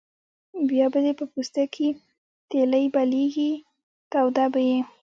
بیا به دې په پوستکي تیلی بلېږي توده به یې.